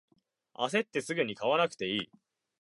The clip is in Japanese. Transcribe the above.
あせってすぐに買わなくていい